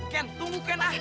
ken tunggu ken ah